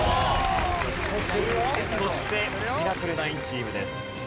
そしてミラクル９チームです。